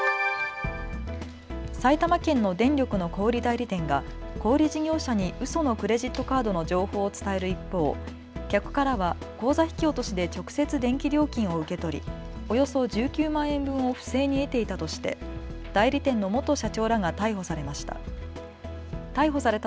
埼玉県の電力の小売代理店が小売事業者にうそのクレジットカードの情報を伝える一方、客からは口座引き落としで直接、電気料金を受け取りおよそ１９万円分を不正に得ていたとして代理店の元社長らが逮捕されました。